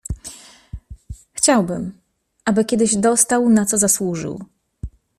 "Chciałbym, aby kiedyś dostał, na co zasłużył."